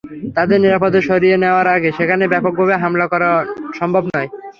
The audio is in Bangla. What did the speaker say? তাদের নিরাপদে সরিয়ে নেওয়ার আগে সেখানে ব্যাপকভাবে হামলা করা সম্ভব নয়।